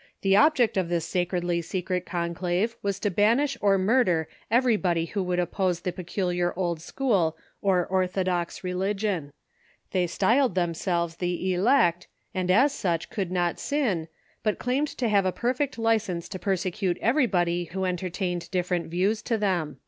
] The object of this Sacredly Secret Conclave was to banish or murder everybody who would oppose the peculiar old school or orthodox religion. They styled tliemselves the "elect," and as such could not sin, but claimed to have a perfect licence to persecute everybody who entertained dif ferent views to them.